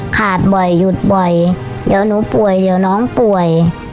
ขาดบ่อยหยุดบ่อยเดี๋ยวหนูป่วยเดี๋ยวน้องป่วย